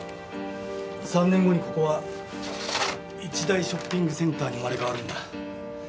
３年後にここは一大ショッピングセンターに生まれ変わるんだ。